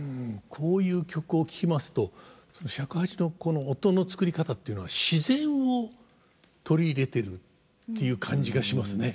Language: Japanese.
こういう曲を聴きますと尺八の音の作り方っていうのは自然を取り入れてるっていう感じがしますね。